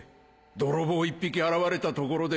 泥棒１匹現れたところで。